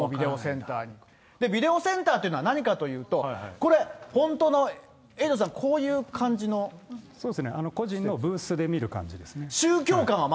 ビデオセンターというのは何かというと、これ、本当の、エイトさん、そうですね、個人のブースで見る感じですね。